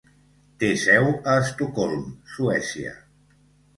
Té seu a Estocolm, Suècia.